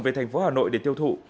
về thành phố hà nội để tiêu thụ